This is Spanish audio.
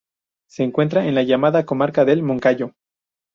Se encuentra en la llamada comarca del Moncayo.